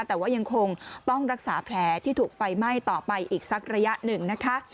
แต่ว่ายังคงต้องรักษาแผลที่ถูกไฟไหม้ต่อไปอีกสักระยะหนึ่งนะคะ